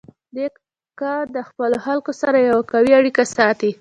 نیکه د خپلو خلکو سره یوه قوي اړیکه ساتي.